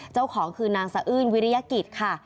เจ้าของคือนางสะอื้นวิริยกิจค่ะ